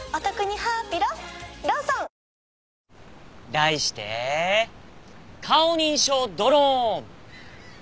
題して顔認証ドローン！